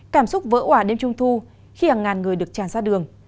cảm xúc vỡ hỏa đêm trung thu khi hàng ngàn người được tràn ra đường